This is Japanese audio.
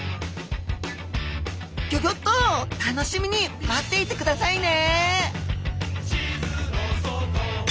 ギョギョッと楽しみに待っていてくださいね！